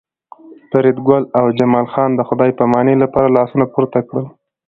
فریدګل او جمال خان د خدای پامانۍ لپاره لاسونه پورته کړل